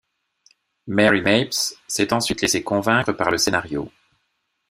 Mary Mapes s'est ensuite laissée convaincre par le scénario.